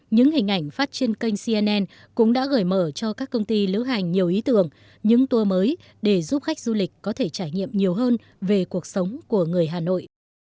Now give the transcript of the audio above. những hình ảnh phát trên kênh cnn cũng đã gợi mở cho các công ty lưu hành nhiều ý tưởng những tour mới để giúp khách du lịch có thể trải nghiệm nhiều hơn về cuộc sống của người hà nội